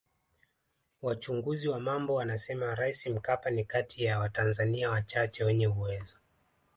Wachunguzi wa mambo wanasema Rais Mkapa ni kati ya watanzania wachache wenye uwezo